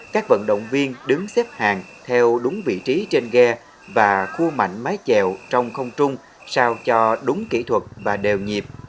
các vận động viên đứng xếp hàng theo đúng vị trí trên ghe và khu mạnh mái chẹo trong không trung sao cho đúng kỹ thuật và đều nhịp